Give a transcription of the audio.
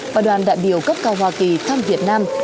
và đoàn đại biểu cấp cao hoa kỳ thăm việt nam